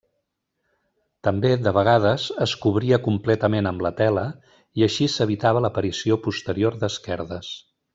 També, de vegades, es cobria completament amb la tela i així s'evitava l'aparició posterior d'esquerdes.